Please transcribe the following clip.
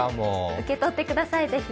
受け取ってください、ぜひ。